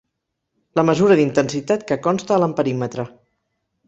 La mesura d'intensitat que consta a l'amperímetre.